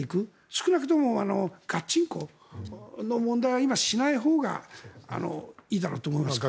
少なくともガチンコの問題は今、しないほうがいいだろうと思いますね。